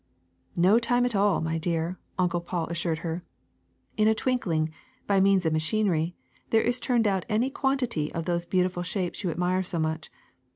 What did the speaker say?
^'No time at all, my dear," Uncle Paul assured her. ^^In a twinkling, by means of machinery, there is turned out any quantity of those beautiful shapes you admire so much.